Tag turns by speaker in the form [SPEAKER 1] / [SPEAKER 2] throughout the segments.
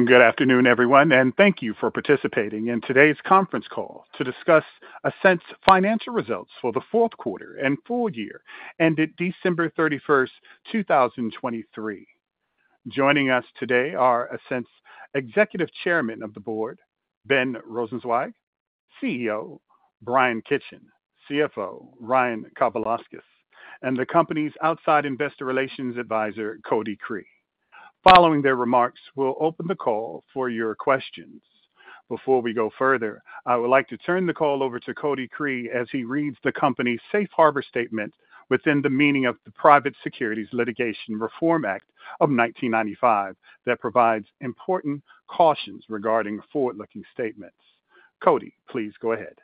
[SPEAKER 1] Good afternoon, everyone, and thank you for participating in today's conference call to discuss Ascent's financial results for the fourth quarter and full year ended December 31, 2023. Joining us today are Ascent's Executive Chairman of the Board, Ben Rosenzweig; CEO Bryan Kitchen, CFO Ryan Kavalauskas; and the company's outside investor relations advisor Cody Cree. Following their remarks, we'll open the call for your questions. Before we go further, I would like to turn the call over to Cody Cree as he reads the company's Safe Harbor Statement within the meaning of the Private Securities Litigation Reform Act of 1995 that provides important cautions regarding forward-looking statements. Cody, please go ahead.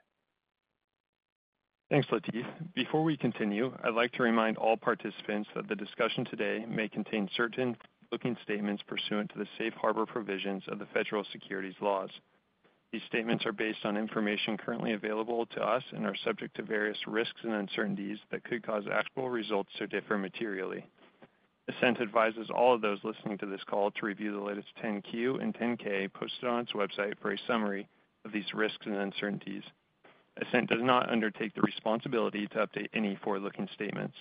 [SPEAKER 2] Thanks, Latif. Before we continue, I'd like to remind all participants that the discussion today may contain certain forward-looking statements pursuant to the Safe Harbor provisions of the federal securities laws. These statements are based on information currently available to us and are subject to various risks and uncertainties that could cause actual results to differ materially. Ascent advises all of those listening to this call to review the latest 10-Q and 10-K posted on its website for a summary of these risks and uncertainties. Ascent does not undertake the responsibility to update any forward-looking statements.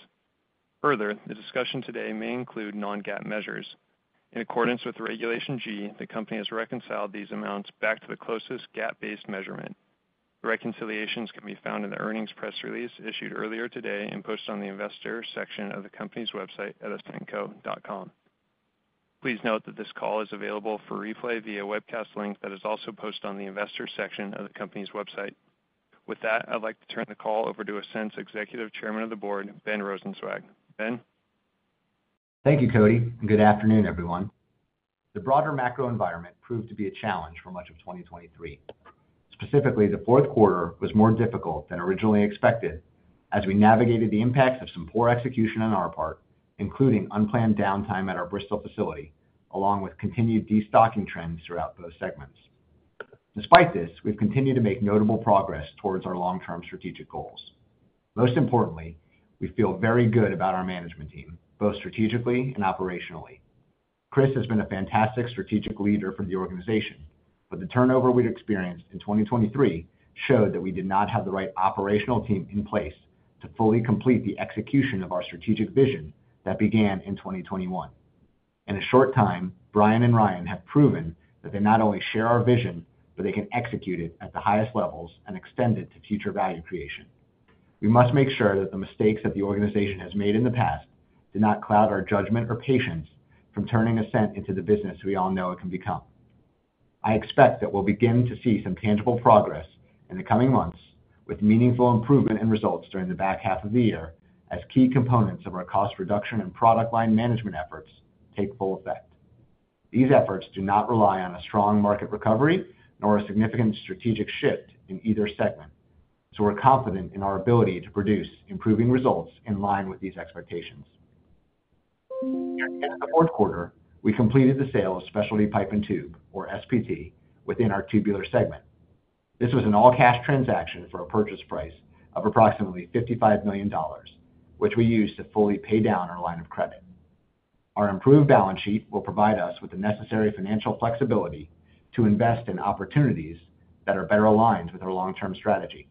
[SPEAKER 2] Further, the discussion today may include non-GAAP measures. In accordance with Regulation G, the company has reconciled these amounts back to the closest GAAP-based measurement. The reconciliations can be found in the earnings press release issued earlier today and posted on the Investor section of the company's website at ascentco.com. Please note that this call is available for replay via a webcast link that is also posted on the investor section of the company's website. With that, I'd like to turn the call over to Ascent's Executive Chairman of the Board, Ben Rosenzweig. Ben?
[SPEAKER 3] Thank you, Cody, and good afternoon, everyone. The broader macro environment proved to be a challenge for much of 2023. Specifically, the fourth quarter was more difficult than originally expected as we navigated the impacts of some poor execution on our part, including unplanned downtime at our Bristol facility, along with continued destocking trends throughout both segments. Despite this, we've continued to make notable progress towards our long-term strategic goals. Most importantly, we feel very good about our management team, both strategically and operationally. Chris has been a fantastic strategic leader for the organization, but the turnover we experienced in 2023 showed that we did not have the right operational team in place to fully complete the execution of our strategic vision that began in 2021. In a short time, Bryan and Ryan have proven that they not only share our vision, but they can execute it at the highest levels and extend it to future value creation. We must make sure that the mistakes that the organization has made in the past do not cloud our judgment or patience from turning Ascent into the business we all know it can become. I expect that we'll begin to see some tangible progress in the coming months with meaningful improvement and results during the back half of the year as key components of our cost reduction and product line management efforts take full effect. These efforts do not rely on a strong market recovery nor a significant strategic shift in either segment, so we're confident in our ability to produce improving results in line with these expectations. In the fourth quarter, we completed the sale of Specialty Pipe & Tube, or SPT, within our tubular segment. This was an all-cash transaction for a purchase price of approximately $55 million, which we used to fully pay down our line of credit. Our improved balance sheet will provide us with the necessary financial flexibility to invest in opportunities that are better aligned with our long-term strategy.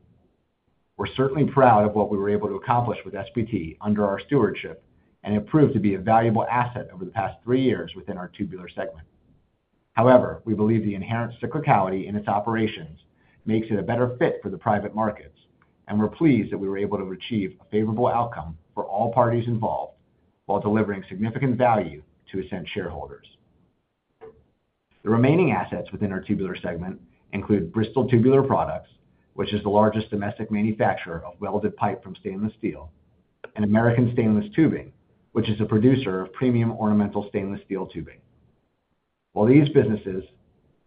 [SPEAKER 3] We're certainly proud of what we were able to accomplish with SPT under our stewardship and it proved to be a valuable asset over the past three years within our tubular segment. However, we believe the inherent cyclicality in its operations makes it a better fit for the private markets, and we're pleased that we were able to achieve a favorable outcome for all parties involved while delivering significant value to Ascent shareholders. The remaining assets within our tubular segment include Bristol Tubular Products, which is the largest domestic manufacturer of welded pipe from stainless steel, and American Stainless Tubing, which is a producer of premium ornamental stainless steel tubing. While these businesses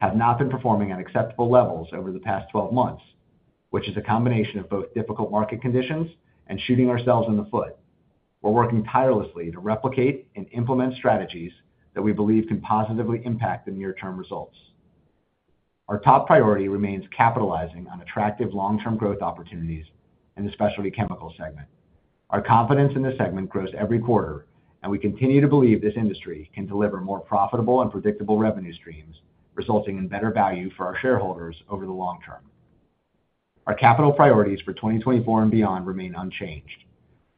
[SPEAKER 3] have not been performing at acceptable levels over the past 12 months, which is a combination of both difficult market conditions and shooting ourselves in the foot, we're working tirelessly to replicate and implement strategies that we believe can positively impact the near-term results. Our top priority remains capitalizing on attractive long-term growth opportunities in the specialty chemical segment. Our confidence in this segment grows every quarter, and we continue to believe this industry can deliver more profitable and predictable revenue streams, resulting in better value for our shareholders over the long term. Our capital priorities for 2024 and beyond remain unchanged.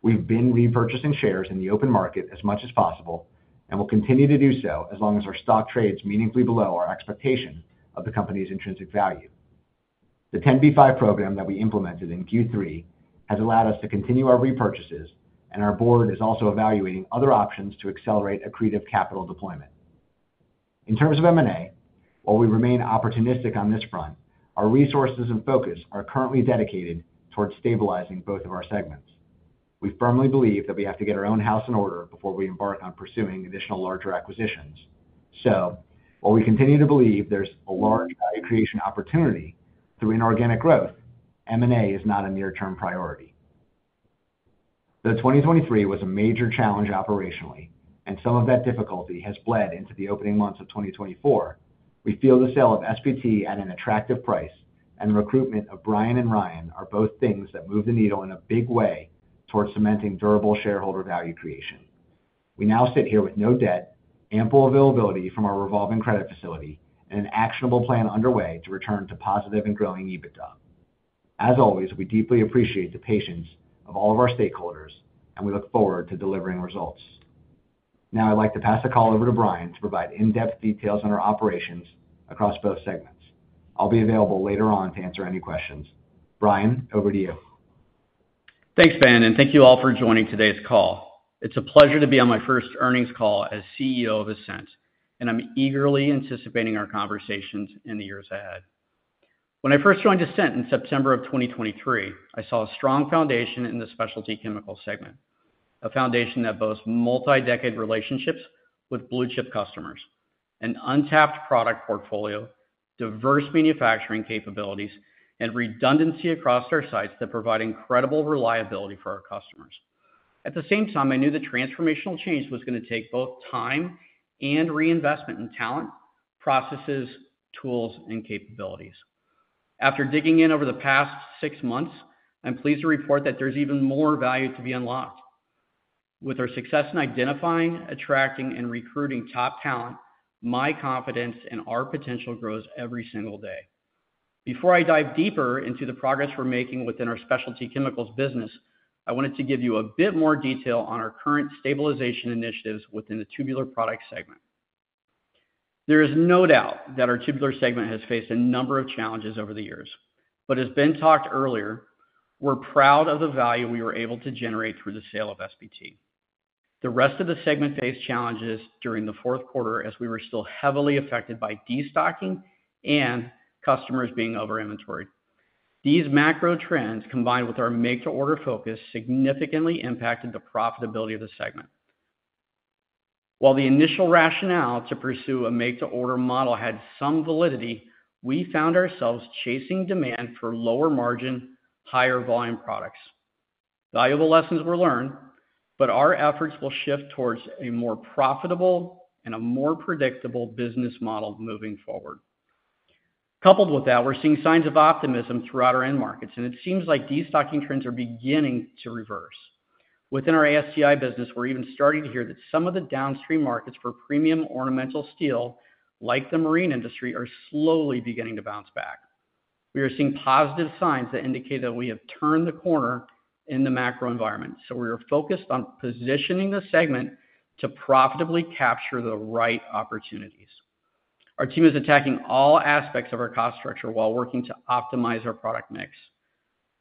[SPEAKER 3] We've been repurchasing shares in the open market as much as possible, and we'll continue to do so as long as our stock trades meaningfully below our expectation of the company's intrinsic value. The 10b5-1 program that we implemented in Q3 has allowed us to continue our repurchases, and our board is also evaluating other options to accelerate accretive capital deployment. In terms of M&A, while we remain opportunistic on this front, our resources and focus are currently dedicated towards stabilizing both of our segments. We firmly believe that we have to get our own house in order before we embark on pursuing additional larger acquisitions. So, while we continue to believe there's a large value creation opportunity through inorganic growth, M&A is not a near-term priority. Though 2023 was a major challenge operationally, and some of that difficulty has bled into the opening months of 2024, we feel the sale of SPT at an attractive price and the recruitment of Bryan and Ryan are both things that move the needle in a big way towards cementing durable shareholder value creation. We now sit here with no debt, ample availability from our revolving credit facility, and an actionable plan underway to return to positive and growing EBITDA. As always, we deeply appreciate the patience of all of our stakeholders, and we look forward to delivering results. Now I'd like to pass the call over to Bryan to provide in-depth details on our operations across both segments. I'll be available later on to answer any questions. Bryan, over to you.
[SPEAKER 4] Thanks, Ben, and thank you all for joining today's call. It's a pleasure to be on my first earnings call as CEO of Ascent, and I'm eagerly anticipating our conversations in the years ahead. When I first joined Ascent in September of 2023, I saw a strong foundation in the specialty chemical segment, a foundation that boasts multi-decade relationships with blue-chip customers, an untapped product portfolio, diverse manufacturing capabilities, and redundancy across our sites that provide incredible reliability for our customers. At the same time, I knew the transformational change was going to take both time and reinvestment in talent, processes, tools, and capabilities. After digging in over the past six months, I'm pleased to report that there's even more value to be unlocked. With our success in identifying, attracting, and recruiting top talent, my confidence in our potential grows every single day. Before I dive deeper into the progress we're making within our specialty chemicals business, I wanted to give you a bit more detail on our current stabilization initiatives within the tubular product segment. There is no doubt that our tubular segment has faced a number of challenges over the years. But as Ben talked earlier, we're proud of the value we were able to generate through the sale of SPT. The rest of the segment faced challenges during the fourth quarter as we were still heavily affected by destocking and customers being over-inventoried. These macro trends, combined with our make-to-order focus, significantly impacted the profitability of the segment. While the initial rationale to pursue a make-to-order model had some validity, we found ourselves chasing demand for lower-margin, higher-volume products. Valuable lessons were learned, but our efforts will shift towards a more profitable and a more predictable business model moving forward. Coupled with that, we're seeing signs of optimism throughout our end markets, and it seems like destocking trends are beginning to reverse. Within our Ascent business, we're even starting to hear that some of the downstream markets for premium ornamental steel, like the marine industry, are slowly beginning to bounce back. We are seeing positive signs that indicate that we have turned the corner in the macro environment, so we are focused on positioning the segment to profitably capture the right opportunities. Our team is attacking all aspects of our cost structure while working to optimize our product mix.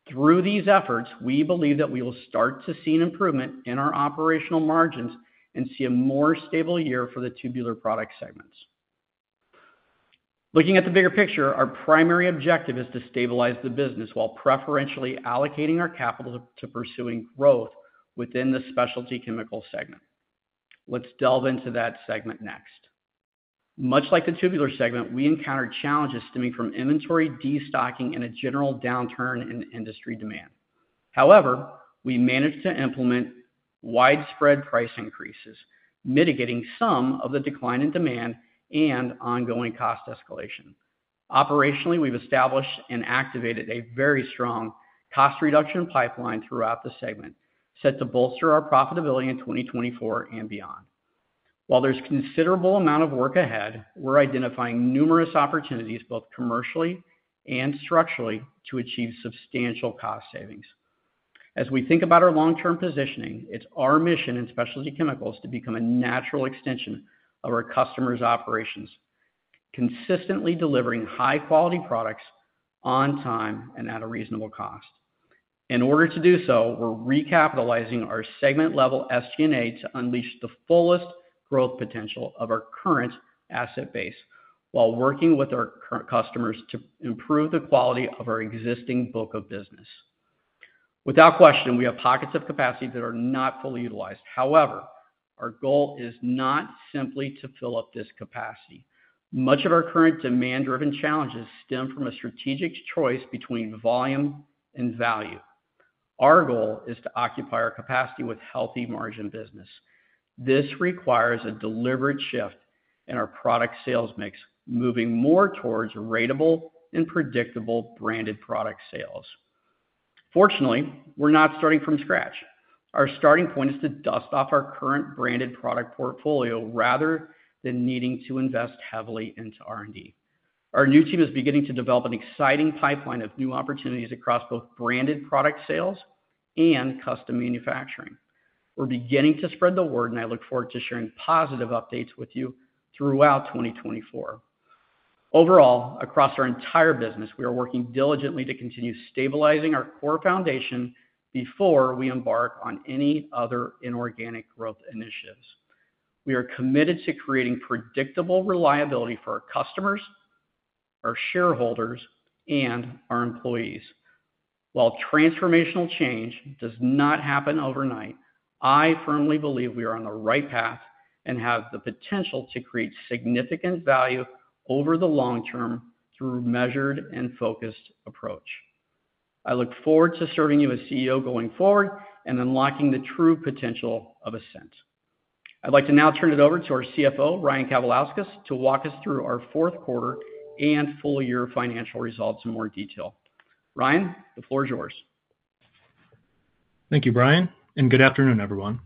[SPEAKER 4] Through these efforts, we believe that we will start to see an improvement in our operational margins and see a more stable year for the tubular product segments. Looking at the bigger picture, our primary objective is to stabilize the business while preferentially allocating our capital to pursuing growth within the specialty chemical segment. Let's delve into that segment next. Much like the tubular segment, we encountered challenges stemming from inventory destocking and a general downturn in industry demand. However, we managed to implement widespread price increases, mitigating some of the decline in demand and ongoing cost escalation. Operationally, we've established and activated a very strong cost reduction pipeline throughout the segment set to bolster our profitability in 2024 and beyond. While there's a considerable amount of work ahead, we're identifying numerous opportunities both commercially and structurally to achieve substantial cost savings. As we think about our long-term positioning, it's our mission in specialty chemicals to become a natural extension of our customers' operations, consistently delivering high-quality products on time and at a reasonable cost. In order to do so, we're recapitalizing our segment-level SG&A to unleash the fullest growth potential of our current asset base while working with our current customers to improve the quality of our existing book of business. Without question, we have pockets of capacity that are not fully utilized. However, our goal is not simply to fill up this capacity. Much of our current demand-driven challenges stem from a strategic choice between volume and value. Our goal is to occupy our capacity with healthy margin business. This requires a deliberate shift in our product sales mix, moving more towards ratable and predictable branded product sales. Fortunately, we're not starting from scratch. Our starting point is to dust off our current branded product portfolio rather than needing to invest heavily into R&D. Our new team is beginning to develop an exciting pipeline of new opportunities across both branded product sales and custom manufacturing. We're beginning to spread the word, and I look forward to sharing positive updates with you throughout 2024. Overall, across our entire business, we are working diligently to continue stabilizing our core foundation before we embark on any other inorganic growth initiatives. We are committed to creating predictable reliability for our customers, our shareholders, and our employees. While transformational change does not happen overnight, I firmly believe we are on the right path and have the potential to create significant value over the long term through a measured and focused approach. I look forward to serving you as CEO going forward and unlocking the true potential of Ascent. I'd like to now turn it over to our CFO, Ryan Kavalauskas, to walk us through our fourth quarter and full-year financial results in more detail. Ryan, the floor is yours.
[SPEAKER 5] Thank you, Bryan, and good afternoon, everyone.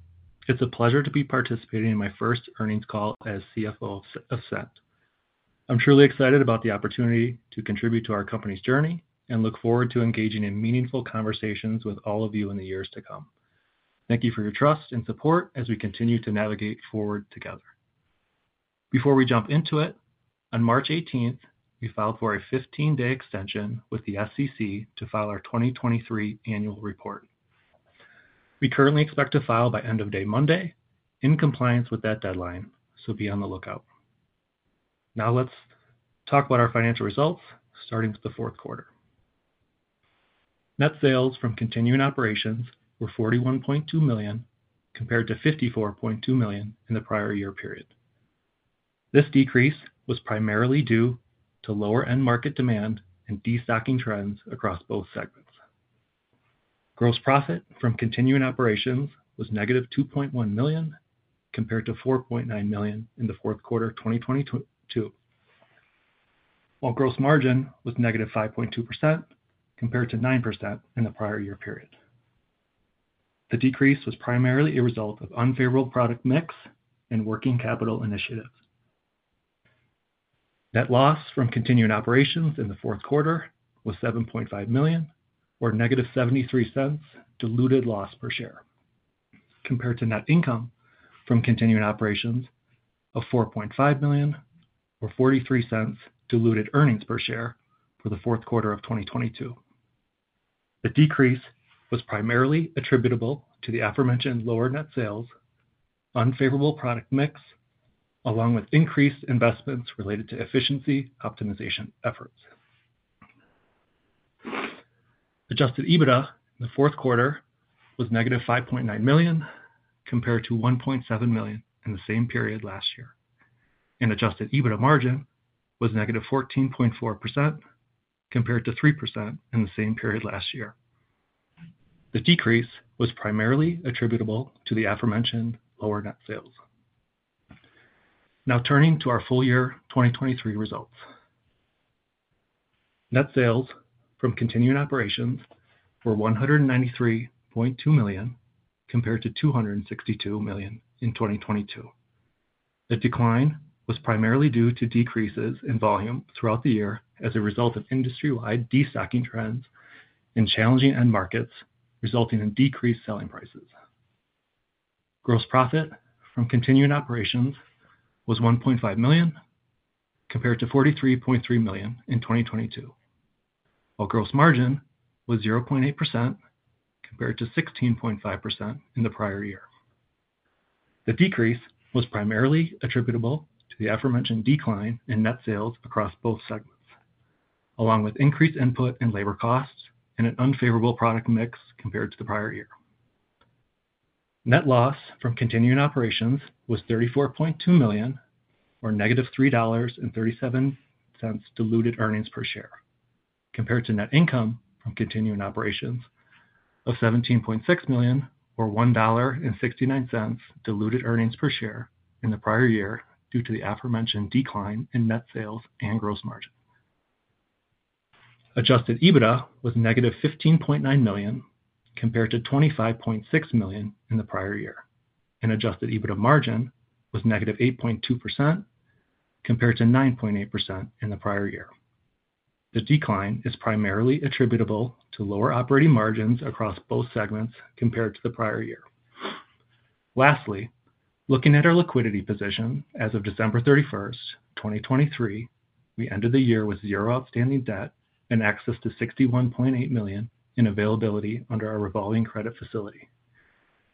[SPEAKER 5] It's a pleasure to be participating in my first earnings call as CFO of Ascent. I'm truly excited about the opportunity to contribute to our company's journey and look forward to engaging in meaningful conversations with all of you in the years to come. Thank you for your trust and support as we continue to navigate forward together. Before we jump into it, on March 18th, we filed for a 15-day extension with the SEC to file our 2023 annual report. We currently expect to file by end of day Monday, in compliance with that deadline, so be on the lookout. Now let's talk about our financial results, starting with the fourth quarter. Net sales from continuing operations were $41.2 million compared to $54.2 million in the prior year period. This decrease was primarily due to lower-end market demand and destocking trends across both segments. Gross profit from continuing operations was -$2.1 million compared to $4.9 million in the fourth quarter of 2022, while gross margin was -5.2% compared to 9% in the prior year period. The decrease was primarily a result of unfavorable product mix and working capital initiatives. Net loss from continuing operations in the fourth quarter was $7.5 million, or -$0.73 diluted loss per share, compared to net income from continuing operations of $4.5 million, or $0.43 diluted earnings per share for the fourth quarter of 2022. The decrease was primarily attributable to the aforementioned lower net sales, unfavorable product mix, along with increased investments related to efficiency optimization efforts. Adjusted EBITDA in the fourth quarter was -$5.9 million compared to $1.7 million in the same period last year, and adjusted EBITDA margin was -14.4% compared to 3% in the same period last year. The decrease was primarily attributable to the aforementioned lower net sales. Now turning to our full-year 2023 results. Net sales from continuing operations were $193.2 million compared to $262 million in 2022. The decline was primarily due to decreases in volume throughout the year as a result of industry-wide destocking trends and challenging end markets resulting in decreased selling prices. Gross profit from continuing operations was $1.5 million compared to $43.3 million in 2022, while gross margin was 0.8% compared to 16.5% in the prior year. The decrease was primarily attributable to the aforementioned decline in net sales across both segments, along with increased input and labor costs and an unfavorable product mix compared to the prior year. Net loss from continuing operations was $34.2 million, or -$3.37 diluted earnings per share, compared to net income from continuing operations of $17.6 million, or $1.69 diluted earnings per share in the prior year due to the aforementioned decline in net sales and gross margin. Adjusted EBITDA was -$15.9 million compared to $25.6 million in the prior year, and adjusted EBITDA margin was -8.2% compared to 9.8% in the prior year. The decline is primarily attributable to lower operating margins across both segments compared to the prior year. Lastly, looking at our liquidity position as of December 31st, 2023, we ended the year with zero outstanding debt and access to $61.8 million in availability under our revolving credit facility.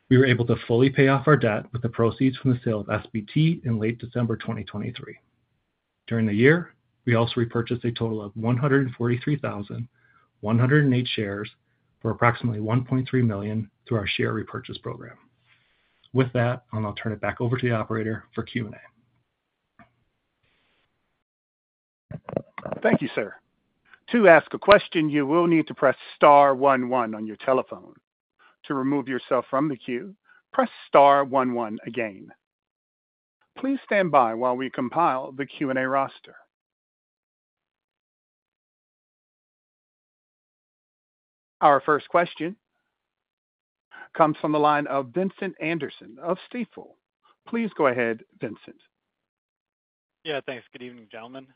[SPEAKER 5] We were able to fully pay off our debt with the proceeds from the sale of SPT in late December 2023. During the year, we also repurchased a total of 143,108 shares for approximately $1.3 million through our share repurchase program. With that, I'll turn it back over to the operator for Q&A.
[SPEAKER 1] Thank you, sir. To ask a question, you will need to press star 11 on your telephone. To remove yourself from the queue, press star 11 again. Please stand by while we compile the Q&A roster. Our first question comes from the line of Vincent Anderson of Stifel. Please go ahead, Vincent.
[SPEAKER 6] Yeah, thanks. Good evening, gentlemen.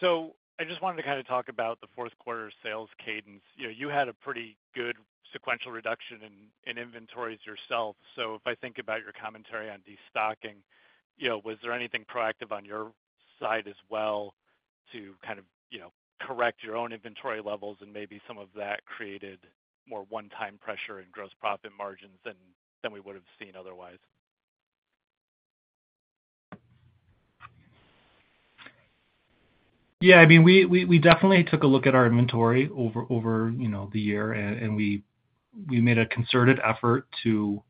[SPEAKER 6] So I just wanted to kind of talk about the fourth quarter sales cadence. You know, you had a pretty good sequential reduction in inventories yourself. So if I think about your commentary on destocking, you know, was there anything proactive on your side as well to kind of, you know, correct your own inventory levels? And maybe some of that created more one-time pressure in gross profit margins than we would have seen otherwise.
[SPEAKER 3] Yeah, I mean, we definitely took a look at our inventory over, you know, the year. And we made a concerted effort to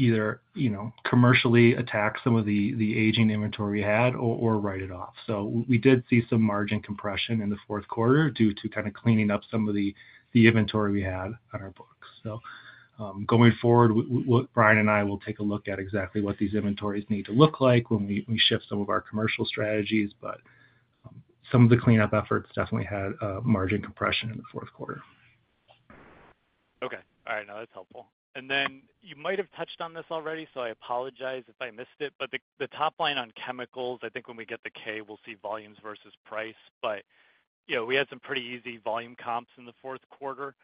[SPEAKER 3] either, you know, commercially attack some of the aging inventory we had or write it off. So we did see some margin compression in the fourth quarter due to kind of cleaning up some of the inventory we had on our books. So, going forward, Bryan and I will take a look at exactly what these inventories need to look like when we shift some of our commercial strategies. But, some of the cleanup efforts definitely had margin compression in the fourth quarter.
[SPEAKER 6] Okay. All right. No, that's helpful. And then you might have touched on this already, so I apologize if I missed it. But the, the top line on chemicals, I think when we get the K, we'll see volumes versus price. But, you know, we had some pretty easy volume comps in the fourth quarter.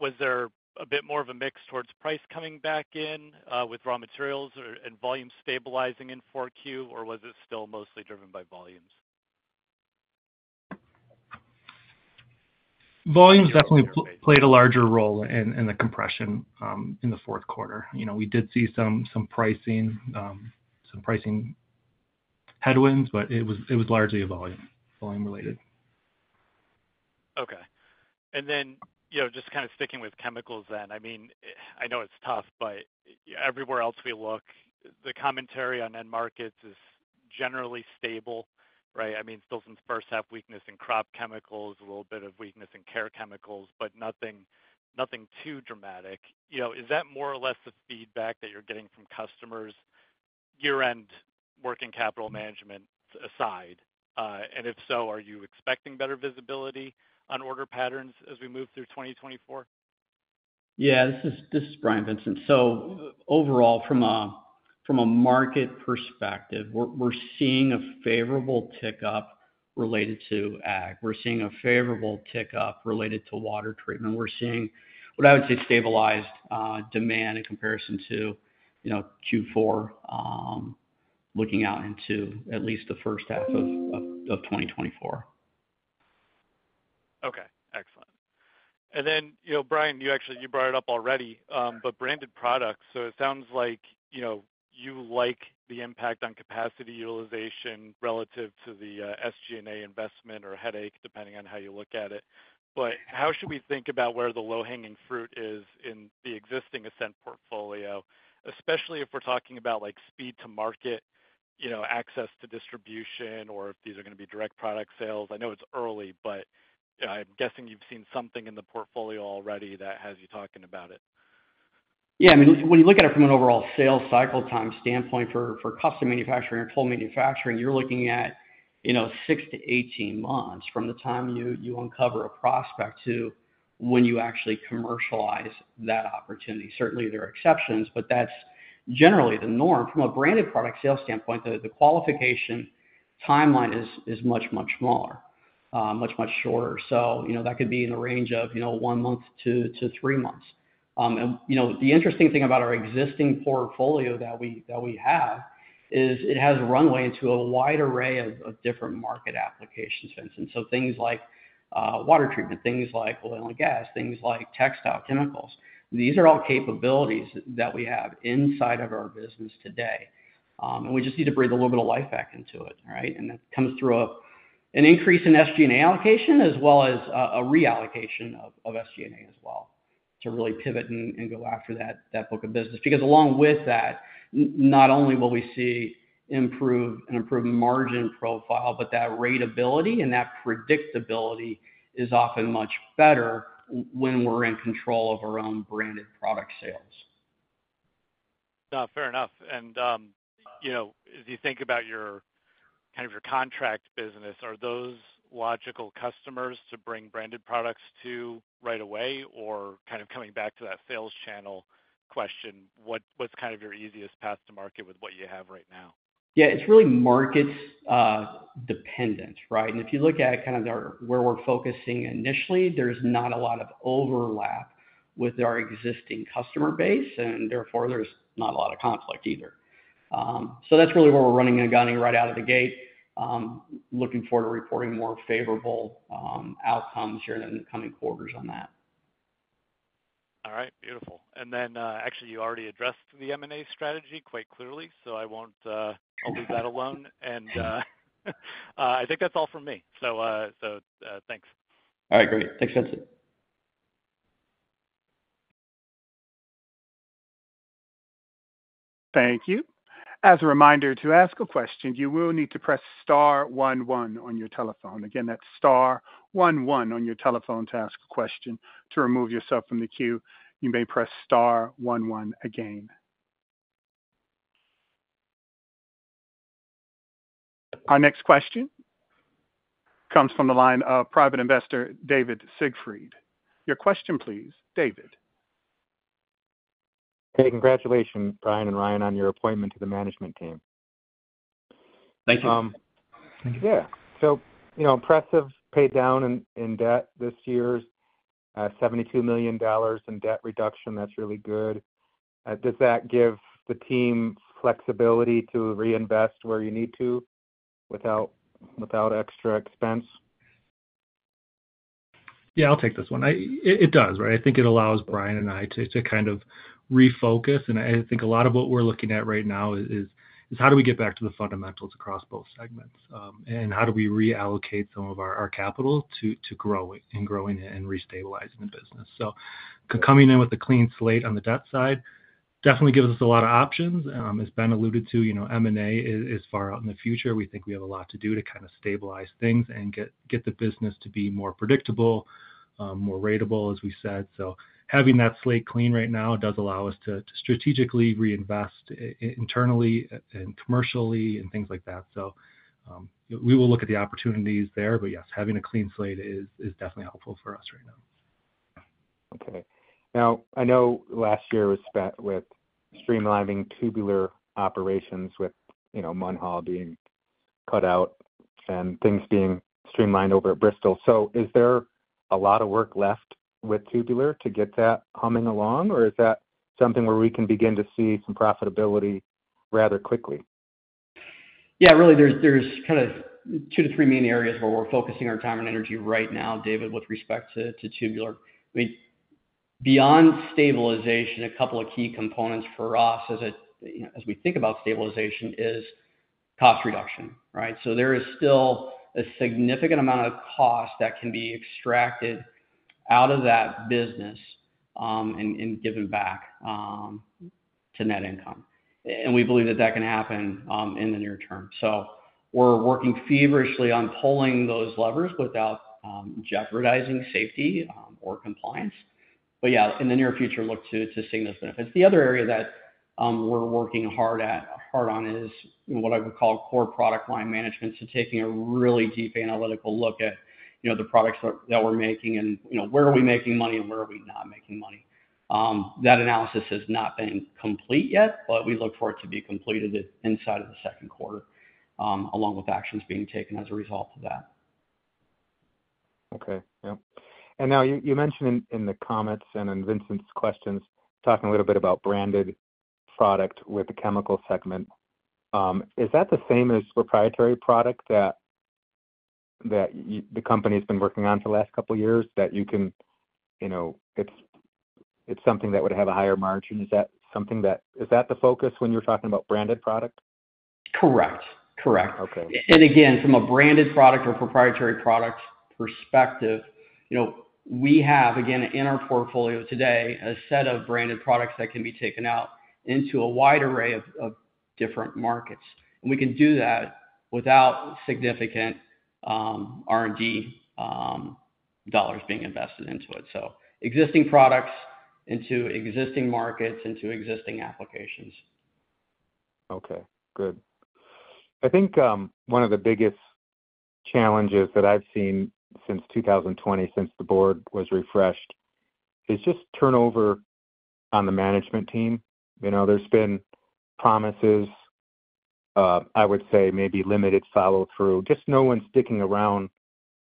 [SPEAKER 6] Was there a bit more of a mix towards price coming back in, with raw materials or, and volume stabilizing in Q? Or was it still mostly driven by volumes?
[SPEAKER 3] Volumes definitely played a larger role in the compression in the fourth quarter. You know, we did see some pricing headwinds, but it was largely volume-related.
[SPEAKER 6] Okay. And then, you know, just kind of sticking with chemicals then, I mean, I know it's tough, but everywhere else we look, the commentary on end markets is generally stable, right? I mean, still some first-half weakness in crop chemicals, a little bit of weakness in care chemicals, but nothing, nothing too dramatic. You know, is that more or less the feedback that you're getting from customers, year-end working capital management aside? And if so, are you expecting better visibility on order patterns as we move through 2024?
[SPEAKER 4] Yeah, this is Bryan Kitchen. So overall, from a market perspective, we're seeing a favorable tick up related to ag. We're seeing a favorable tick up related to water treatment. We're seeing what I would say stabilized demand in comparison to, you know, Q4, looking out into at least the first half of 2024.
[SPEAKER 6] Okay. Excellent. And then, you know, Bryan, you actually brought it up already, but branded products. So it sounds like, you know, you like the impact on capacity utilization relative to the SG&A investment or headache, depending on how you look at it. But how should we think about where the low-hanging fruit is in the existing Ascent portfolio, especially if we're talking about, like, speed to market, you know, access to distribution, or if these are going to be direct product sales? I know it's early, but, you know, I'm guessing you've seen something in the portfolio already that has you talking about it.
[SPEAKER 4] Yeah, I mean, when you look at it from an overall sales cycle time standpoint for custom manufacturing or toll manufacturing, you're looking at, you know, 6-18 months from the time you uncover a prospect to when you actually commercialize that opportunity. Certainly, there are exceptions, but that's generally the norm. From a branded product sales standpoint, the qualification timeline is much smaller, much shorter. So, you know, that could be in the range of, you know, one month to three months. You know, the interesting thing about our existing portfolio that we have is it has runway into a wide array of different market applications, Vincent. So things like water treatment, things like oil and gas, things like textile chemicals. These are all capabilities that we have inside of our business today. We just need to breathe a little bit of life back into it, right? And that comes through an increase in SG&A allocation as well as a reallocation of SG&A as well to really pivot and go after that book of business. Because along with that, not only will we see an improved margin profile, but that rateability and that predictability is often much better when we're in control of our own branded product sales.
[SPEAKER 6] No, fair enough. And, you know, as you think about your kind of contract business, are those logical customers to bring branded products to right away? Or kind of coming back to that sales channel question, what's kind of your easiest path to market with what you have right now?
[SPEAKER 4] Yeah, it's really market dependent, right? And if you look at kind of where we're focusing initially, there's not a lot of overlap with our existing customer base, and therefore, there's not a lot of conflict either. So that's really where we're running and gunning right out of the gate, looking forward to reporting more favorable outcomes here in the coming quarters on that.
[SPEAKER 6] All right. Beautiful. And then, actually, you already addressed the M&A strategy quite clearly, so I won't, I'll leave that alone. And, I think that's all from me. So, so, thanks.
[SPEAKER 4] All right. Great. Thanks, Vincent.
[SPEAKER 1] Thank you. As a reminder, to ask a question, you will need to press star 11 on your telephone. Again, that's star 11 on your telephone to ask a question. To remove yourself from the queue, you may press star 11 again. Our next question comes from the line of private investor David Siegfried. Your question, please, David.
[SPEAKER 7] Hey, congratulations, Bryan and Ryan, on your appointment to the management team.
[SPEAKER 4] Thank you.
[SPEAKER 7] Yeah. So, you know, impressive paydown in debt this year, $72 million in debt reduction. That's really good. Does that give the team flexibility to reinvest where you need to without extra expense?
[SPEAKER 5] Yeah, I'll take this one. It does, right? I think it allows Bryan and I to kind of refocus. And I think a lot of what we're looking at right now is how do we get back to the fundamentals across both segments, and how do we reallocate some of our capital to growing and restabilizing the business? So coming in with a clean slate on the debt side definitely gives us a lot of options. As Ben alluded to, you know, M&A is far out in the future. We think we have a lot to do to kind of stabilize things and get the business to be more predictable, more reliable, as we said. So having that slate clean right now does allow us to strategically reinvest internally and commercially and things like that. So, we will look at the opportunities there. But yes, having a clean slate is definitely helpful for us right now.
[SPEAKER 7] Okay. Now, I know last year was spent with streamlining Tubular operations with, you know, Munhall being cut out and things being streamlined over at Bristol. So is there a lot of work left with Tubular to get that humming along? Or is that something where we can begin to see some profitability rather quickly?
[SPEAKER 4] Yeah, really, there's kind of two to three main areas where we're focusing our time and energy right now, David, with respect to Tubular. I mean, beyond stabilization, a couple of key components for us, you know, as we think about stabilization is cost reduction, right? So there is still a significant amount of cost that can be extracted out of that business, and given back to net income. And we believe that can happen in the near term. So we're working feverishly on pulling those levers without jeopardizing safety or compliance. But yeah, in the near future, look to seeing those benefits. The other area that we're working hard on is, you know, what I would call core product line management. So taking a really deep analytical look at, you know, the products that we're making and, you know, where are we making money and where are we not making money. That analysis has not been complete yet, but we look for it to be completed inside of the second quarter, along with actions being taken as a result of that.
[SPEAKER 7] Okay. Yep. And now you mentioned in the comments and in Vincent's questions talking a little bit about branded product with the chemical segment. Is that the same as proprietary product that the company has been working on for the last couple of years that you can, you know, it's something that would have a higher margin? Is that something that is the focus when you're talking about branded product?
[SPEAKER 4] Correct. Correct.
[SPEAKER 7] Okay.
[SPEAKER 4] Again, from a branded product or proprietary product perspective, you know, we have, again, in our portfolio today, a set of branded products that can be taken out into a wide array of different markets. We can do that without significant R&D dollars being invested into it. Existing products into existing markets into existing applications.
[SPEAKER 7] Okay. Good. I think, one of the biggest challenges that I've seen since 2020, since the board was refreshed, is just turnover on the management team. You know, there's been promises, I would say maybe limited follow-through, just no one sticking around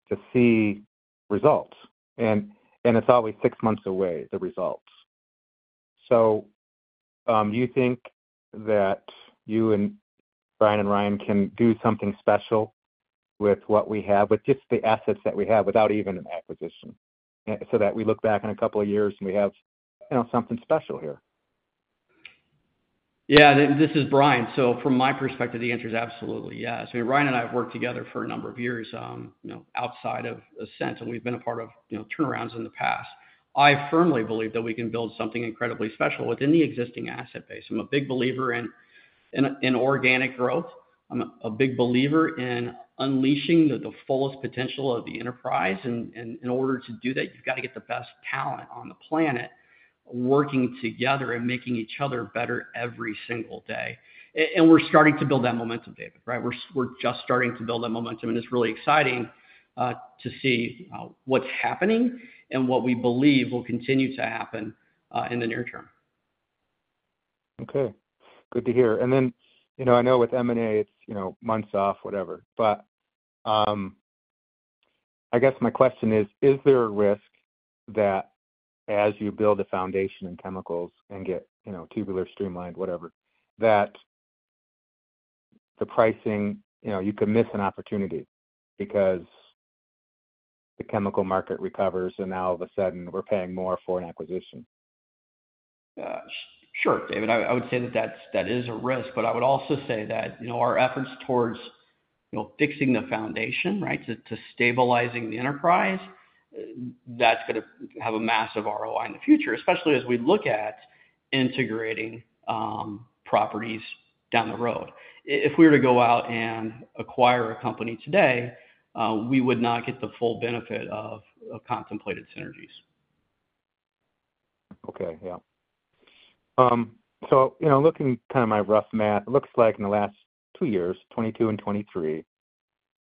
[SPEAKER 7] to see results. And it's always six months away, the results. So, you think that you and Bryan and Ryan can do something special with what we have, with just the assets that we have, without even an acquisition, so that we look back in a couple of years, and we have, you know, something special here?
[SPEAKER 4] Yeah, this is Bryan. So from my perspective, the answer is absolutely yes. I mean, Ryan and I have worked together for a number of years, you know, outside of Ascent. And we've been a part of, you know, turnarounds in the past. I firmly believe that we can build something incredibly special within the existing asset base. I'm a big believer in organic growth. I'm a big believer in unleashing the fullest potential of the enterprise. And in order to do that, you've got to get the best talent on the planet working together and making each other better every single day. And we're starting to build that momentum, David, right? We're just starting to build that momentum. And it's really exciting to see what's happening and what we believe will continue to happen in the near term.
[SPEAKER 7] Okay. Good to hear. And then, you know, I know with M&A, it's, you know, months off, whatever. But, I guess my question is, is there a risk that as you build a foundation in chemicals and get, you know, Tubular streamlined, whatever, that the pricing you know, you could miss an opportunity because the chemical market recovers, and now, all of a sudden, we're paying more for an acquisition?
[SPEAKER 4] Yeah. Sure, David. I would say that that is a risk. But I would also say that, you know, our efforts towards, you know, fixing the foundation, right, to stabilizing the enterprise, that's going to have a massive ROI in the future, especially as we look at integrating properties down the road. If we were to go out and acquire a company today, we would not get the full benefit of contemplated synergies.
[SPEAKER 7] Okay. Yep. So, you know, looking kind of my rough math, it looks like in the last two years, 2022 and 2023,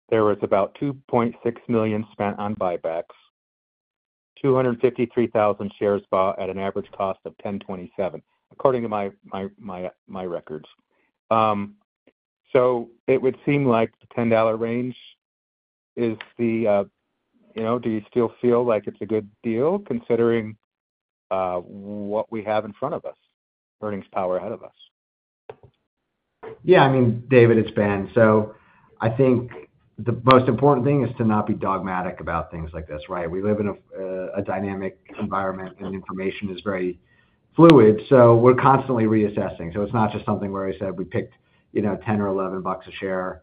[SPEAKER 7] there was about $2.6 million spent on buybacks, 253,000 shares bought at an average cost of $10.27, according to my records. So it would seem like the $10 range is the, you know, do you still feel like it's a good deal considering what we have in front of us, earnings power ahead of us?
[SPEAKER 3] Yeah, I mean, David, it's Ben. So I think the most important thing is to not be dogmatic about things like this, right? We live in a dynamic environment, and information is very fluid. So we're constantly reassessing. So it's not just something where I said we picked, you know, $10 or $11 a share,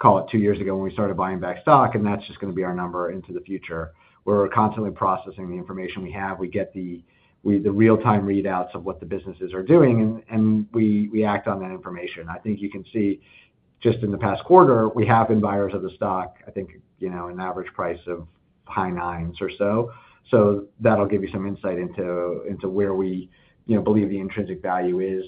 [SPEAKER 3] call it, two years ago when we started buying back stock, and that's just going to be our number into the future. We're constantly processing the information we have. We get the real-time readouts of what the businesses are doing, and we act on that information. I think you can see just in the past quarter, we have been buyers of the stock, I think, you know, an average price of high $9s or so. So that'll give you some insight into where we, you know, believe the intrinsic value is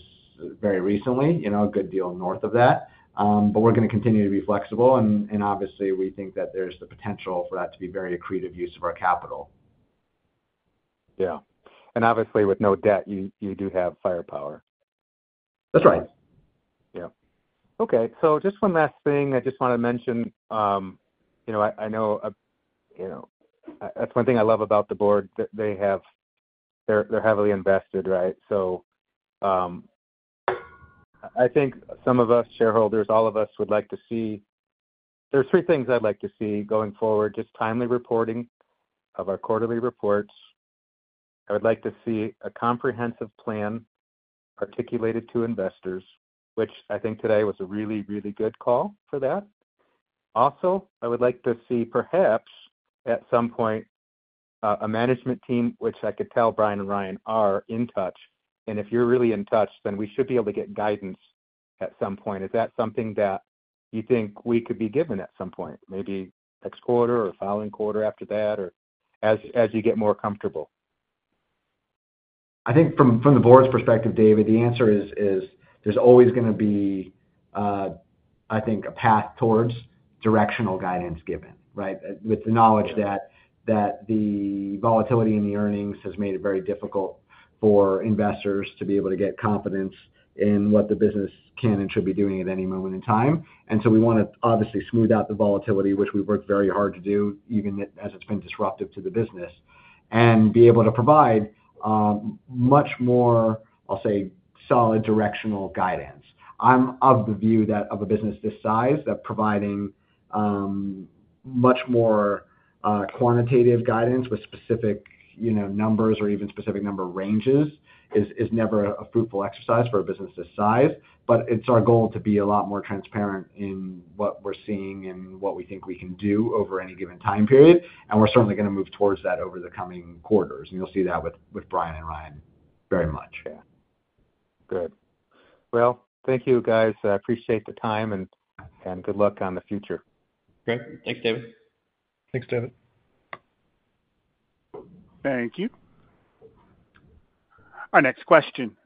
[SPEAKER 3] very recently, you know, a good deal north of that. But we're going to continue to be flexible. And obviously, we think that there's the potential for that to be very accretive use of our capital.
[SPEAKER 7] Yeah. And obviously, with no debt, you do have firepower.
[SPEAKER 3] That's right.
[SPEAKER 7] Yep. Okay. So just one last thing I just want to mention, you know. I, I know, you know, that's one thing I love about the board. They, they have they're, they're heavily invested, right? So, I, I think some of us shareholders, all of us, would like to see. There's three things I'd like to see going forward: just timely reporting of our quarterly reports. I would like to see a comprehensive plan articulated to investors, which I think today was a really, really good call for that. Also, I would like to see, perhaps, at some point, a management team, which I could tell Bryan and Ryan are in touch. And if you're really in touch, then we should be able to get guidance at some point. Is that something that you think we could be given at some point, maybe next quarter or following quarter after that or as, as you get more comfortable?
[SPEAKER 3] I think from the board's perspective, David, the answer is there's always going to be, I think, a path towards directional guidance given, right, with the knowledge that the volatility in the earnings has made it very difficult for investors to be able to get confidence in what the business can and should be doing at any moment in time. And so we want to, obviously, smooth out the volatility, which we've worked very hard to do, even as it's been disruptive to the business, and be able to provide much more, I'll say, solid directional guidance. I'm of the view that of a business this size that providing much more quantitative guidance with specific, you know, numbers or even specific number ranges is never a fruitful exercise for a business this size. But it's our goal to be a lot more transparent in what we're seeing and what we think we can do over any given time period. We're certainly going to move towards that over the coming quarters. You'll see that with Bryan and Ryan very much.
[SPEAKER 7] Yeah. Good. Well, thank you, guys. I appreciate the time. And good luck on the future.
[SPEAKER 4] Great. Thanks, David.
[SPEAKER 5] Thanks, David.
[SPEAKER 1] Thank you. Our next question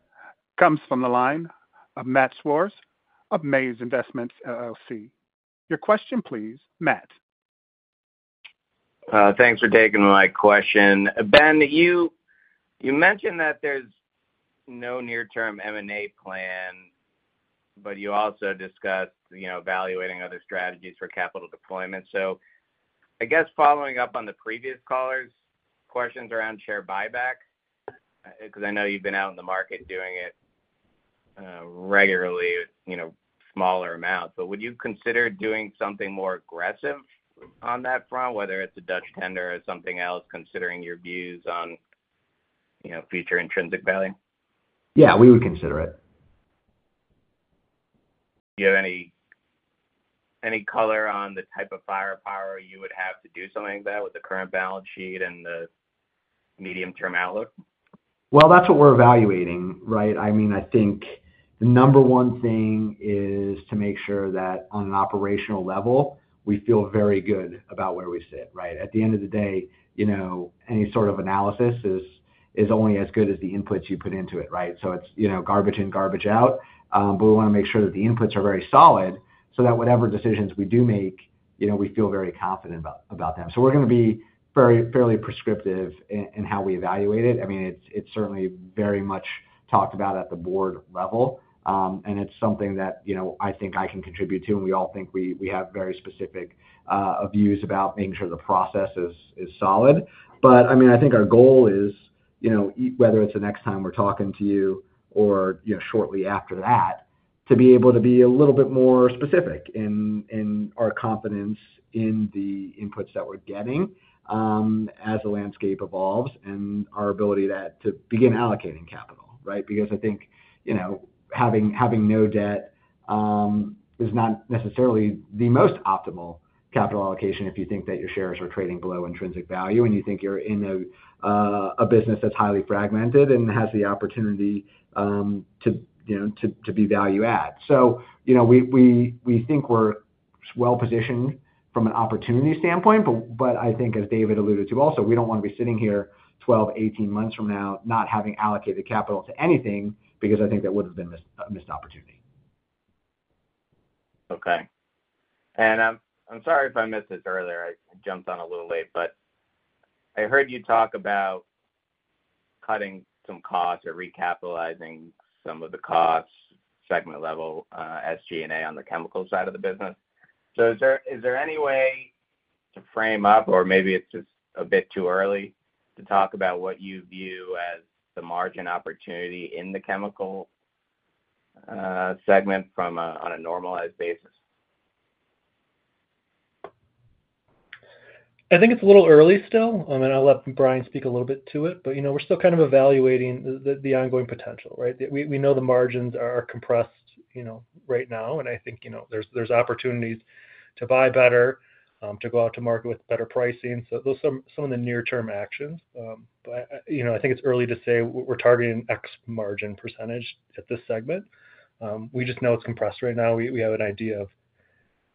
[SPEAKER 1] comes from the line of Matt Swartz of Maze Investments, LLC. Your question, please, Matt.
[SPEAKER 8] Thanks for taking my question. Ben, you, you mentioned that there's no near-term M&A plan, but you also discussed, you know, evaluating other strategies for capital deployment. So I guess following up on the previous caller's questions around share buyback, because I know you've been out in the market doing it, regularly with, you know, smaller amounts. But would you consider doing something more aggressive on that front, whether it's a Dutch tender or something else, considering your views on, you know, future intrinsic value?
[SPEAKER 3] Yeah, we would consider it.
[SPEAKER 8] Do you have any color on the type of firepower you would have to do something like that with the current balance sheet and the medium-term outlook?
[SPEAKER 3] Well, that's what we're evaluating, right? I mean, I think the number one thing is to make sure that, on an operational level, we feel very good about where we sit, right? At the end of the day, you know, any sort of analysis is only as good as the inputs you put into it, right? So it's, you know, garbage in, garbage out. We want to make sure that the inputs are very solid so that whatever decisions we do make, you know, we feel very confident about them. So we're going to be very fairly prescriptive in how we evaluate it. I mean, it's certainly very much talked about at the board level. It's something that, you know, I think I can contribute to. We all think we have very specific views about making sure the process is solid. But I mean, I think our goal is, you know, whether it's the next time we're talking to you or, you know, shortly after that, to be able to be a little bit more specific in our confidence in the inputs that we're getting, as the landscape evolves and our ability to begin allocating capital, right? Because I think, you know, having no debt is not necessarily the most optimal capital allocation if you think that your shares are trading below intrinsic value, and you think you're in a business that's highly fragmented and has the opportunity to, you know, to be value-add. So, you know, we think we're well-positioned from an opportunity standpoint. But I think, as David alluded to also, we don't want to be sitting here 12, 18 months from now not having allocated capital to anything because I think that would have been a missed opportunity.
[SPEAKER 8] Okay. And I'm sorry if I missed this earlier. I jumped on a little late. But I heard you talk about cutting some costs or recapitalizing some of the costs at segment level as G&A on the chemical side of the business. So is there any way to frame up or maybe it's just a bit too early to talk about what you view as the margin opportunity in the chemical segment on a normalized basis?
[SPEAKER 3] I think it's a little early still. I mean, I'll let Bryan speak a little bit to it. But, you know, we're still kind of evaluating the ongoing potential, right? We know the margins are compressed, you know, right now. And I think, you know, there's opportunities to buy better, to go out to market with better pricing. So those are some of the near-term actions. But I, you know, I think it's early to say we're targeting X margin percentage at this segment. We just know it's compressed right now. We have an idea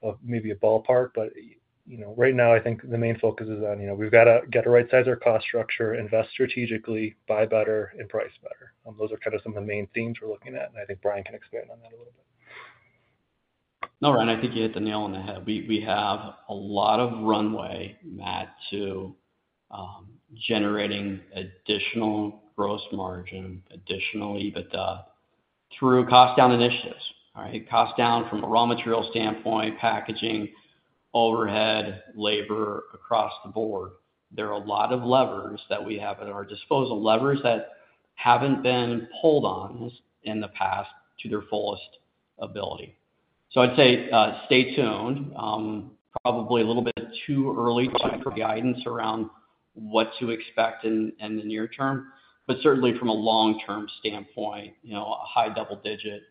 [SPEAKER 3] of maybe a ballpark. But, you know, right now, I think the main focus is on, you know, we've got to get to right size our cost structure, invest strategically, buy better, and price better. Those are kind of some of the main themes we're looking at. I think Bryan can expand on that a little bit.
[SPEAKER 4] No, Ryan, I think you hit the nail on the head. We have a lot of runway, Matt, to generating additional gross margin, additional EBITDA through cost-down initiatives, all right, cost-down from a raw material standpoint, packaging, overhead, labor across the board. There are a lot of levers that we have at our disposal, levers that haven't been pulled on in the past to their fullest ability. So I'd say, stay tuned. Probably a little bit too early to offer guidance around what to expect in the near term. But certainly, from a long-term standpoint, you know, a high double-digit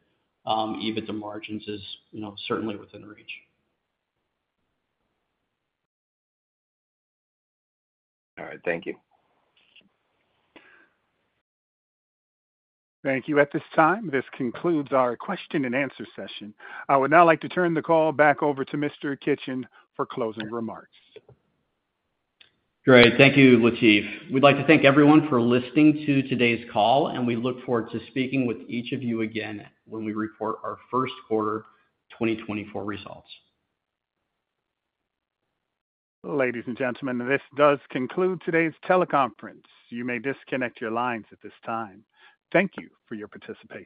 [SPEAKER 4] EBITDA margins is, you know, certainly within reach.
[SPEAKER 8] All right. Thank you.
[SPEAKER 1] Thank you at this time. This concludes our question-and-answer session. I would now like to turn the call back over to Mr. Kitchen for closing remarks.
[SPEAKER 4] Great. Thank you, Latif. We'd like to thank everyone for listening to today's call. And we look forward to speaking with each of you again when we report our first quarter 2024 results.
[SPEAKER 1] Ladies and gentlemen, this does conclude today's teleconference. You may disconnect your lines at this time. Thank you for your participation.